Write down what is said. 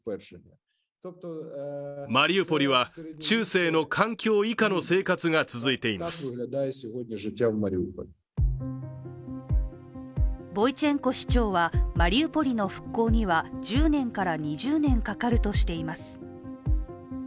しかし、実態はボイチェンコ市長は、マリウポリの復興には１０年から２０年かかるとしています。